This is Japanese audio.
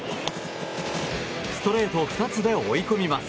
ストレート２つで追い込みます。